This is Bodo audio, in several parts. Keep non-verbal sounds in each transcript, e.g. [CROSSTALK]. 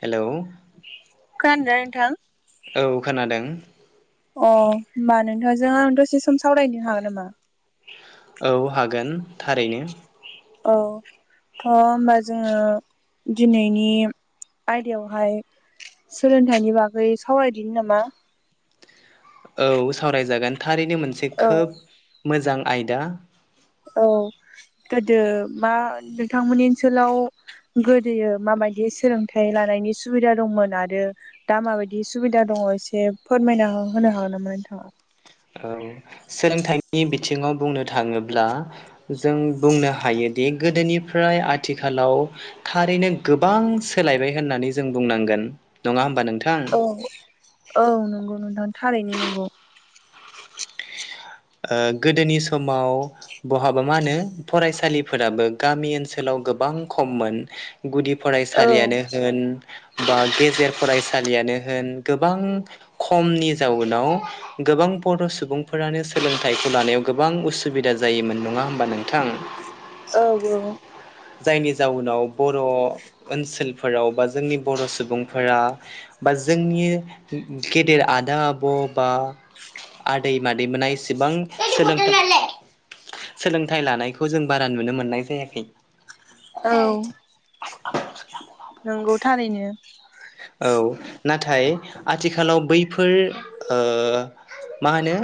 हेलौ। खोनादोंना नोंथां? औ खोनादों। अ होमबा नोंथ' जों आं दसे सम सावरायनो हागोन नामा? औ हागोन थारैनो। औ थ' होमबा जोङो दिनैनि आयदायावहाय सोलोंथाइनि बागै सावरायदिनि नामा? औ सावरायजागोन थारैनो मोनसे औ खोब मोजां आयदा। औ गोदो मा नोंथांमोननि ओनसोलाव गोदोयो मा बायदि सोलोंथाइ लानायनि सुबिदा दंमोन आरो दा माबायदि सुबिदा दङ एसे फोरमाय ना होनो हागोन ना नोंथा औ सोलोंथाइनि बिथिङाव बुंनो थाङोब्ला जों बुंनो हायो। दि गोदोनिफ्राय आथिखालाव थारैनो गोबां सोलायबाय होननानै जों बुंनांगो गोन नङा होमबा नों अ ओं नोंगौ नोंथां थारैनो नोंगौ। ओ गोदोनि समाव बहाबा मा होनो फरायसालिफोराबो गामि ओनसोलाव गोबां खममोन गुदि औ फरायसालियानो होन‌ बा गेजेर फरायसालियानो होन गोबां खमनि जाउनाव गोबां बद सुबुंफोरानो सोलोंथाइखौ लानायाव गोबां उसुबिदा जायोमोन नङा होमबा नोंथां। औ औ। जायनि जाउनाव बर' ओनसोलफोराव बा जोंनि बर' सुबुंफोरा। बा जोंनि गि गेदेर आदा आब' बा आदै मादै मोननायस सिबां सोलोंथाइ लानायखौ जों बारा नुनो मोननाय जायाखै। औ [INAUDIBLE] नंगौ थारैनो। औ नाथाय आथिखालाव बैफोर ओ मा होनो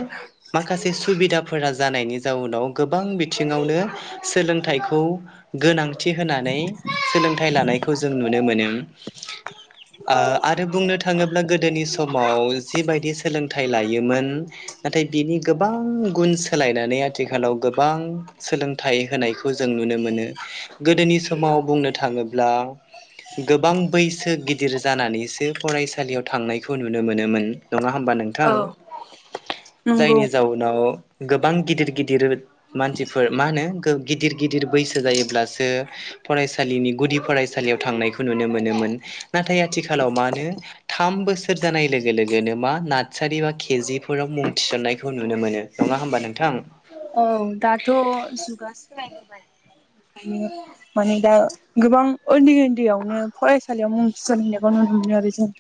माखासे सुबिदाफ फोरा जानायनि जाउनाव गोबां बिथिङावनो सोलोंथाइखौ गोनां थि होनानै सोलोंथायाइ लानायखौ जों नुनो मोनो। ओ औ आरो बुंनो था थाङोब्ला गोदोनि समाव जिबायदि सोलोंथाइ लायोमोन नाथाय बिनि गोबां गुन सोलायनानै आथिखालाव गोबां सोलोंथाइ होनायखौ जों नुनो मोनो। गोदो नि समाव बुंनो थाङोब्ला गोबां बैसो गिद गिदिर जानानैसो फरायसालियाव थांनायखौ नुनो मोनोमोन। नङा होमबा नोंथां औ नंगौ जायनि जाउनाव गोबां गिदिर गिदिर मानसिफोर मा होनो गिदिर गिदिर बैसो जायोब्लासो फरायसालिनि गुदि फरायसालियाव थांनायखौ नुनो मोनोमोन। नाथाय आथिखालाव मानो थाम बोसोर जानाय लोगो लोगोनो मा नार्सारि बा केजिफोराव मुं थिसननायखौ नुनो मोनो नङा होमबा नोंथां। औ दाथ' जुगा सोलायबोबाय। ओंखायनो माने दा गोबांझ उनदै उनदैयावनो फरायसालियाव मुं थिसनहैनायखौ नुनो मोनो आरो जों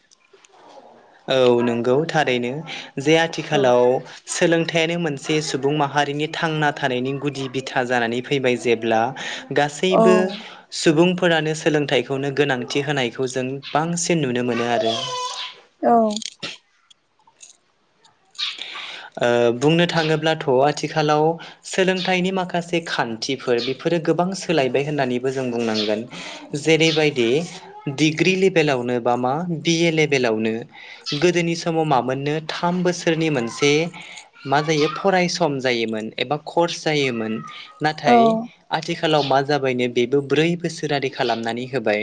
औ नंगौ थारैनो जे औ आथिखालाव सोलोंथाइयानो मोनसे सुबुं माहारिनि थांना थानायनि गुदि बिथा जानानै फैबाय जेब्ला गासैबो सुबुंफोर फोरानो सोलोंथाइखौनो गोनांथि होनायखौ जों बांसिन नुनो मोनो आरो। औ [INAUDIBLE] बुंनो थाङोब्लाथ' आथिखालाव सोलोंथाइनि माखासे खानथिफोर बेफोर फोर गोबां सोलायबाय होननानैबो जों बुंनांगोन जेरैबायदि डिग्रि लेभेलाव बा मा बि ए लेबेलावनो गोदोनि समाव मामोननो थाम बोसोर सोरनि मोनसे मा जायो फरायस जायोमोन एबा कर्स जायोमोन। औ नाथाय आथिखालाव मा जाबायनो बेबो ब्रै बोसोरारि खालामनानै होबाय।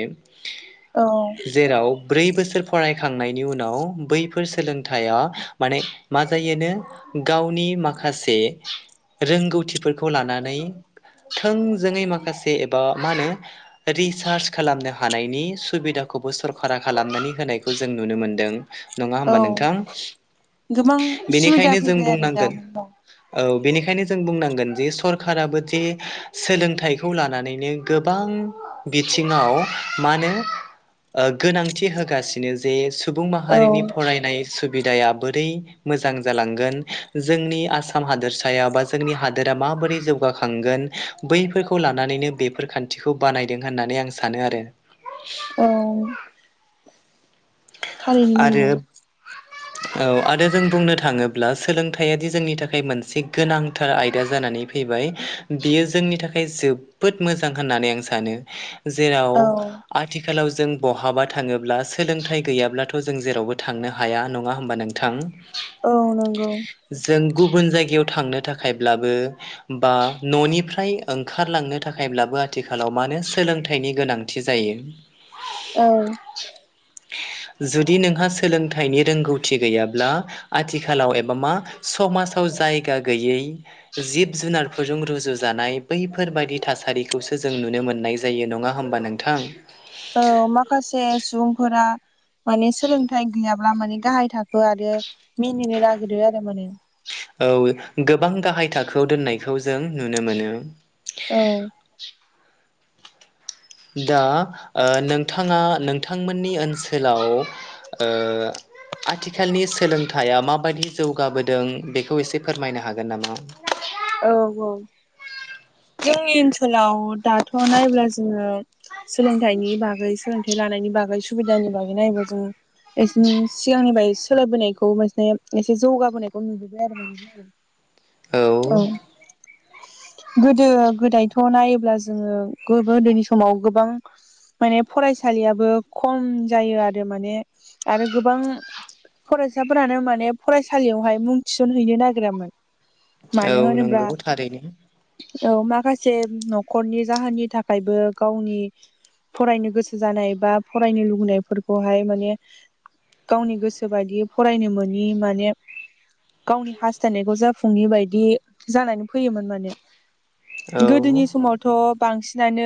औ जेराव ब्रै बोसोर फरायखांनायनि उनाव बैफोर सोलोंथाइया माने मा जायोनो गावनि माखासे रोंगौथिफोरखौ लानानै थोंजोङै माखासे एबा मा होनो रिसार्च खालामनो हानायनि सुबिदाखौ खौबो सरखारा खालामनानै होनायखौ जों नुनो मोनदों नङा औ होमबा नोंथां। गोबां सुबिदा बेनिखायनो जों फैबाय आरो दा बुंनांगोन नोंथां। औ बेनिखायनो जों बुंनांगोन जे सरखाराबो जे सोलोंथाइखौ लानानैनो गोबां बिथिङाव मानो ओ गोनांथि होगासिनो जे सुबुं माहारिनि औ फरायनाय सुबिदाया बोरै मोजां जालांगोन जोंनि आसाम हादोरसायाव बा जोंनि हादोरा माबोरै जौ गाखांगोन बैफोरखौ लानानैनो बेफोर खानथिखौ बानायदों होननानै आं सानो आरो औ थारैनो नंगौ। आरो औ आरो जों बुंनो थाङोब्ला सोलोंथाइआदि जोंनि थाखाय मोनसे गोनांथार आयदा जाना नै फैबाय बियो जोंनि थाखाय जोबोद मोजां होननानै आं सानो। जेराव औ आथिखालाव जों बहाबा थाङोब्ला सोलोंथाइ गैयाब्ला थ' जों जेरावबो थांनो हाया नङा होमबा नोंथां औ नंगौ। जों गुबुन जायगायाव थांनो थाखायब्लाबो बा न'निफ्राय ओंखारलांनो थाखायब्लाबो आथिखालाव मानो सोलोंथाइनि गोनांथि जायो। औ जुदि नोंहा सोलोंथाइनि रोंगौथि गैयाब्ला आथिखालाव एबा मा समाजाव जायगा गैयै जिब जुनारफोरजों रुजु जानाय बैफोरबायदि थासारिखौसो जों नुनो मोननाय जायो नङा होमबा नोंथां। औ माखासे सुबुंफोरा माने सोलोंथाइ गैयाब्ला माने गाहाय थाखो आरो मिनिनो नागिरो आरो माने औ गोबां गाहाय थाखोआव दोननायखौ जों नुनो मोनो। औ दा ओ नोंथाङा नोंथांमोननि ओनसोलाव ओ आथिखालनि सोलोंथाइया माबायदि जौगाबोदों बेखौ एसे फोरमायनो हागोन नामा? औ औ जोंनि ओनसोलाव दाथ' नायब्ला जोंङो सोलोंथाइनि बागै सो सोलोंथाइ लानायनि बागै सुबिदानि बागै नायनो जोंङो एसिन सिगांनिफ्राय सोलायबोनायखौ बा एसे एसे जौगाबोनायखौ नुबोबाय आरो औ गोदो गोदायथ' नायोब्ला जोंङो गो-गोदो समाव गोबां माने फरायसालियाबो खम जायो आरो माने आरो गोबां फरायसाफोरानो माने फरायसालियावहाय मुं थिसनहैनो नागिरामोन। औ मानो होनोब्ला नंगौ थारैनो औ माखासे से न'खरनि जाहोननि थाखायबो गावनि फरायनो गोसो जानाय बा फरायनो लुबैनायफोरखौहाय माने गावनि गोसो बायदि फरायनो मोनि माने गावनि हास्थायनायखौ जाफुंयि बायदि जानानै फैयोमोन माने औ गोदोनि समावथ' बांसिनानो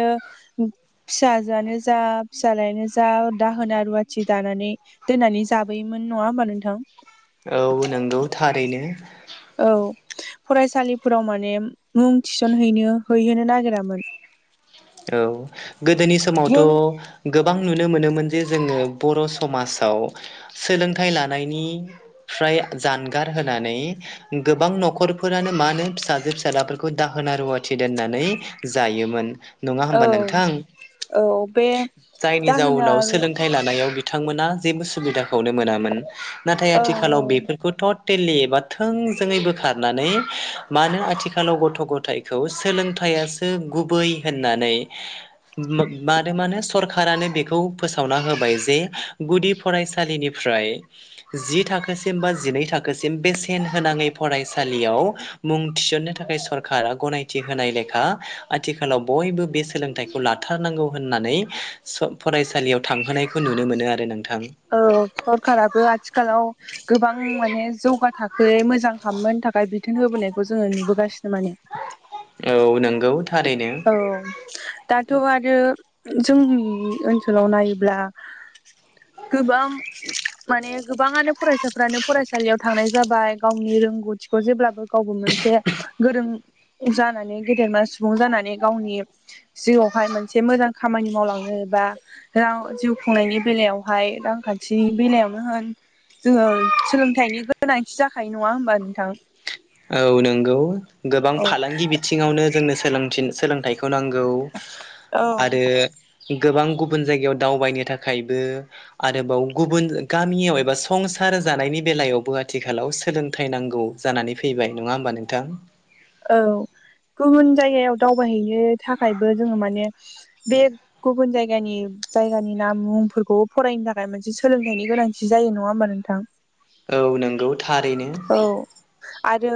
फिसाजोआनो जा फिसालायानो जा दाहोना रुवाथि दा थानानै दोननानै जाबोयोमोन नंङा होमबा नोंथां। औ नोंगौ थारैनो औ फरायसालिफोराव माने मुं थिसनहैनो हैहोनो नागिरामोन औ गोदोनि समावथ' जों गोबां नुनो मोनोमोन जे जोंङो बर' समाजाव सोलोंथाइ लानायनिफ्राय जानगार होनानै गोबां न'खरफोरानो मा नो फिसाजो फिसााजलाफोरखौ दाहोना रुवाथि दोननानै जायोमोन। नंङा औ होमबा नोंथां औ बे जायनि दाहोना जाउनाव रु सोलोंथाइ लानायाव बि थांमोना जेबो सुबिदाखौनो मोनामोन नाथाय औ आथिखालाव औ बेफोरखौ थ टेलि एबा थोंजोङै बोखारनानै मानो आथिखालाव गथ' गथायखौ सोलोंथा यासो गुबै होननानै मो मानो मानो स सरकानो बेखौ फोसावना होबाय जे गुदि फरायसालिनिफ्राय जि थाख थाखोसिम बा जिनै थाखोसिम बेसेन होनांङै फरायसालियाव मुं थिसननो थाखाय सरका रा गनायथि होनाय लेखा आथिखा आथिखालाव बयबो बे सोलोंथाइखौ लाथारनांगौ होननानै स फरायसालियाव थांहोनायखौ नुनो मोनो आरो नों औ सरखाराबो आथिखालाव गोबां माने जौगा थाखोयै मोजां खामोन थाखाय बिथोन होबोनाय जोंङो नुबोगासिनो माने। औ नंगौ थारैनो औ दा थ' आरो जोंनि ओनसोलाव नायोब्ला गोबां माने गोबांङानो फरायसाफ्रानो फरायसालियाव थांनाय जाबाय गावनि रोंगौथिखौ जेब्लाबो गावबो मोनसे गोरों जानानै गेदेरमा सुबुं जानानै गावनि जिउआवहाय मोनसे मोजां खामानि मावलां योबा राव जिउ खुंनायनि बेलायावहाय रांखान्थिनि बेलायावनो होन जोंङो सोलोंथाइनि गोनांथि जाखायो नंङा होमबा नोंथां? औ नोंगौ गोबां औ फालांगि बिथिङावनो जोंनो सोलोंथिन सोलोंथाइ खौ नांगौ आरो औ गोबां गुबुन जायगायाव दावबायनो थाखायबो आरोबाव गुबुन गामियाव एबा संसार जानायनि बेलायावबो आथिखालाव सोलोंथाइ नांगौ जानानै फैबाय नंङा होमबा नोंथां? औ। गुबुन जायगायाव दावबायहैनो थाखायबो जोंङो माने बे गुबुन जायगानि जायगानि नाम मुंफोरखौ फरायनो थाखाय मोनसे सोलोंथाइनि गोनांथि जायो नंङा होमबा नोंथां? औ नोंगौ थारैनो। औ आरो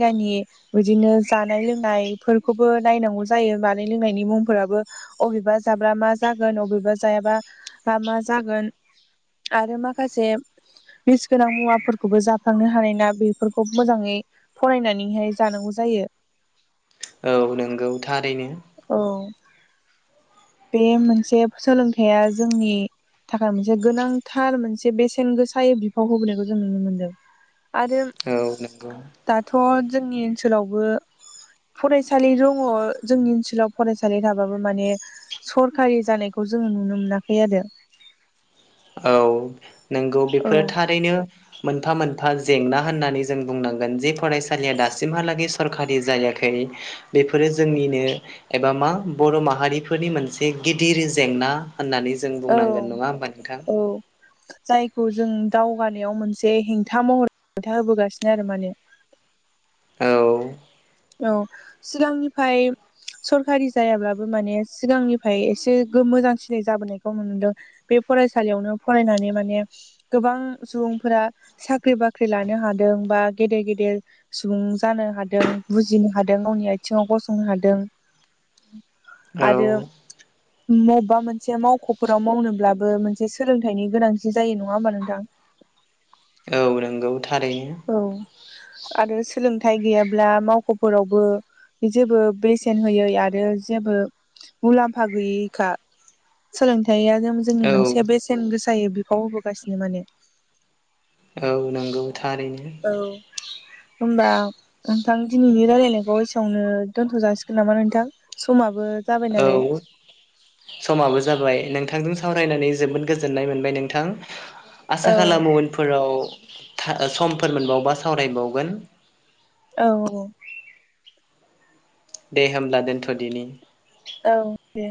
[UNINTELLIGIBLE] बिदिनो जानाय लोंनायफोरखौबो नायनांगौ जायो जानाय लोंनायनि मुंफोराबो अबे बा जाब्ला मा जागोन अबेबा जायाबा म मा जागोन आरो माखासे बिस गोनां मुवाफोरखौबो जाफ्लांनो हानाय ना बेफोरखौ मोजाङै यै फनानैहाय जानांगौ जायो। औ नंगौ थारैनो। औ बे मोनसे सोलोंथाइया जोंनि थाखाय मोनसे गोनांथार मोनसे बेसेन गोसायै बिफाव होबोनायखौ जों नुनो मोनदों। आरो औ नंगौ दाथ' जोंनि ओनसोलावबो फरायसालि दङ जोंनि ओनोल लाव फरायसालि थाबाबो माने सरखारि जानायखौ जोङो नुनो मोनाखै आरो। [INAUDIBLE] औ नंगौ औ बेफोरो थारैनो मोनफा मोनफा जेंना होननानै जों बुंनांगोन जे फरायसालिया दासिमहालागै सरखारि जायाखै बेफोरो जोंनिनो एबा मा बर' माहारिफोरनि मोनसे गिदिर जेंना होननानै जों औ बुंनांगोन नङा होमबा नों औ। जायखौ जों दावगानायाव मोनसे हेंथा महर हेंथा होबोगासिनो आरो माने। [INAUDIBLE] औ। औ सिगांनिफ्राय सरखारि जायाब्लाबो माने सिगांनिफ्राय एसे मोजांसिनाय जाबोनायखौ नुनो मोनदों। बे फरायसालियावनो फरायनानै माने गोबां सुबुंफोरा साख्रि बाख्रि लानो हादों बा गेदेर गेदेर सुबुं जानो हादों बुजिनो हादों गावनि आथिङाव गसंनो हादों। औ। बबेबा मोनसे मावख'फोराव मावनोब्लाबो मोनसे सोलोंथाइनि गोनांथि जायो नङा होमबा नोंथां? [INAUDIBLE] औ नों औ आरो सोलोंथाइ गैयाब्ला मावख'फोरावबो जेबो बेसेन होयै आरो जेबो मुलाम्फा गैयैखा। सोलोंथाइया जों जोंनि औ मोनसे बेसेन गोसायै बिफाव होबोगासिनो माने औ नंगौ थारैनो होमबा नोंथां दिनैनि रायलायनायखौ एसेआवनो दोनथ' जासिगोन नामा नोंथां समा औ समाबो जाबाय नोंथां नोंथांजों सावरायनानै जोबोद गोजोननाय मोनबाय नोंथां औ आसा खालामो उनफोराव था समफोर मोनबावबा सावरायबावगोन औ दे होमब्ला दोनथ'दिनि औ दे